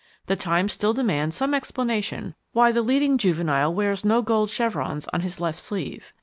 The time still demands some explanation why the leading juvenile wears no gold chevrons on his left sleeve.